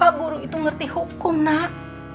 pak guru itu ngerti hukum nak